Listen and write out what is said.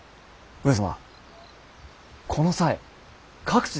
上様。